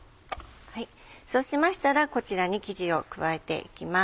そうしましたらこちらに生地を加えていきます。